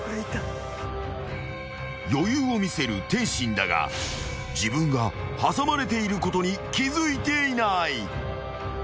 ［余裕を見せる天心だが自分が挟まれていることに気付いていない］